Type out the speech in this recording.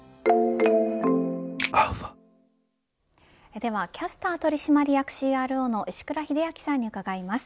ではキャスター取締役ＣＲＯの石倉秀明さんに伺います。